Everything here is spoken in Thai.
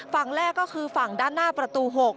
ฝั่งแรกก็คือฝั่งด้านหน้าประตู๖